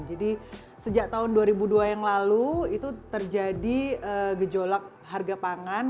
jadi sejak tahun dua ribu dua yang lalu itu terjadi gejolak harga pangan